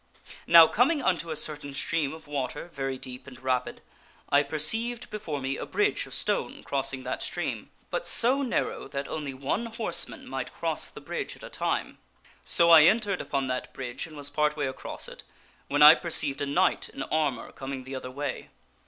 Now, coming unto a certain stream of water, very deep and rapid, I perceived before me a bridge of stone crossing that stream, but so narrow that only THE STORY OF THE BLACK KNIGHT 249 one horseman might cross the bridge at a time. So I entered upon that bridge and was part way across it, when I perceived a knight in armor coming the other way.